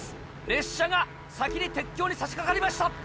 列車が先に鉄橋にさしかかりました。